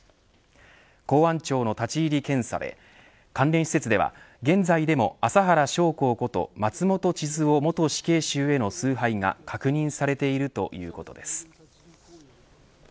公安庁の立ち入り検査で関連施設では現在でも麻原彰晃こと松本智津夫元死刑囚への崇拝が確認されているということです。